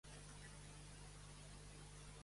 El nombre de la especie honra a Robert Thomas Bakker.